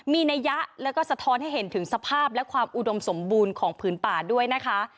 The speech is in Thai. มีนัยยะแล้วก็สะท้อนให้เห็นถึงสภาพและความอุดมสมบูรณ์ของผืนป่าด้วยนะคะ